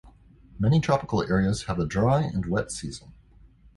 Many tropical areas have a dry and wet season.